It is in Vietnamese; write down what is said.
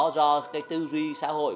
hình thức lễ hội